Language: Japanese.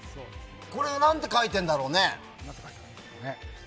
何て書いてるんだろうね？